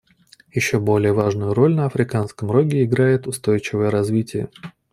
Еще более важную роль на Африканском Роге играет устойчивое развитие.